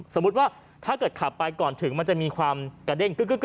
สมมุติว่าถ้าเกิดขับไปก่อนถึงมันจะมีความกระเด้ง